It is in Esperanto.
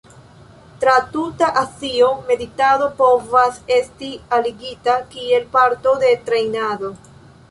Tra tuta Azio, meditado povas esti aligita kiel parto de trejnado.